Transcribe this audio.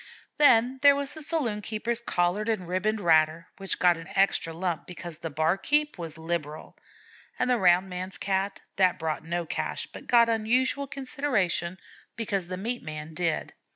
Then there was the saloon keeper's collared and ribboned ratter, which got an extra lump because the 'barkeep' was liberal; and the rounds man's Cat, that brought no cash, but got unusual consideration because the meat man did.